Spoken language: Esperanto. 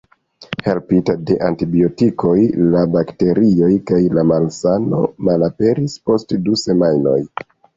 Helpita de antibiotikoj, la bakterioj kaj la malsano malaperis post du semajnoj.